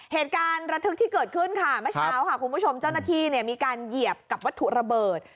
เหตุการณ์ระทึกที่เกิดขึ้นค่ะเมื่อเช้าค่ะคุณผู้ชมเจ้าหน้าที่เนี่ยมีการเหยียบกับวัตถุระเบิด